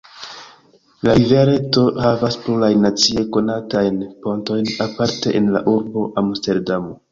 La rivereto havas plurajn nacie konatajn pontojn, aparte en la urbo Amsterdamo.